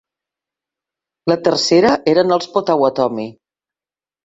La tercera eren els potawatomi.